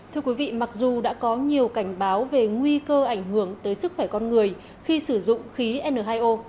thưa quý vị mặc dù đã có nhiều cảnh báo về nguy cơ ảnh hưởng tới sức khỏe con người khi sử dụng khí n hai o